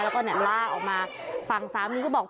แล้วก็เนี่ยลากออกมาฝั่งสามีก็บอก